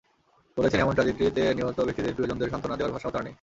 বলেছেন, এমন ট্র্যাজেডিতে নিহত ব্যক্তিদের প্রিয়জনদের সান্ত্বনা দেওয়ার ভাষাও তাঁর নেই।